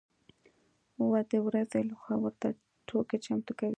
و د ورځې له خوا ورته توکي چمتو کوي.